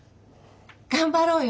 頑張ろうよ！